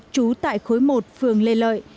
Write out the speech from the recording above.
trú tại khối một phường lê lợi